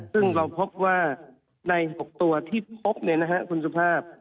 ซึ่งเราพบว่าใน๖ตัวที่พบคุณสุภาพ